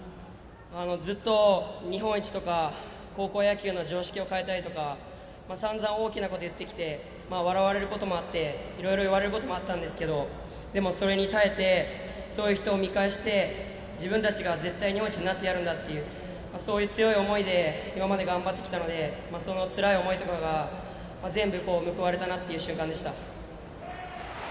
ずっと日本一とか高校野球の常識を変えたいとかさんざん大きなことを言ってきて笑われることもあっていろいろ、いわれることもあったんですけどでも、それに耐えてそういう人を見返して自分たちが絶対、日本一になってやるんだという思いで、頑張ってきたのでそのつらい思いとかが全部報われたなという瞬間でした。